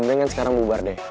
mendingan sekarang bubar deh